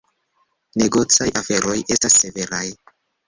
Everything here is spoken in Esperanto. Negocaj aferoj estas severaj.